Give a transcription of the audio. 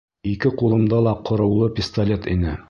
Ике ҡулымда ла ҡороулы пистолет ине.